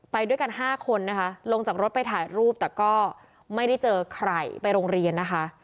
ไปด้วยกัน๕คนนะคะลงจากรถไปถ่ายรูปแต่ก็ไม่ได้เจอใครไปโรงเรียนนะคะ